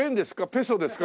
ペソですか？